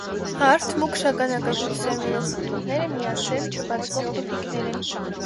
Հարթ, մուգ շագանակագույն սերմերով պտուղները միասերմ չբացվող տուփիկներ են։